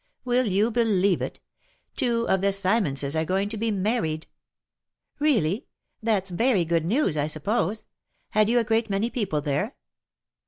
Will you believe it ? two of the Simmonses are going to be married." " Really ! That's very good news, I suppose. Had you a great many people there